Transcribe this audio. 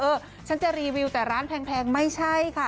ฉันจะรีวิวแต่ร้านแพงไม่ใช่ค่ะ